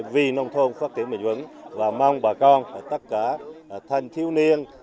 vì nông thôn phát triển bình vững và mong bà con tất cả thanh thiếu niên